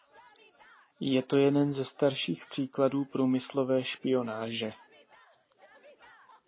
Je to jeden ze starších příkladů průmyslové špionáže.